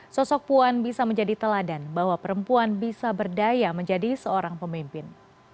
sosok puan bisa menjadi teladan bahwa perempuan bisa berdaya menjadi seorang pemimpin